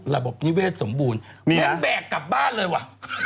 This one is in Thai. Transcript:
ระบบนิเวศสมบูรณ์ยังแบกกลับบ้านเลยว่ะ